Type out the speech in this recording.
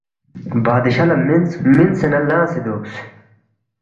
بادشاہ لہ مِںس، مینسے نہ لانگسے دوکس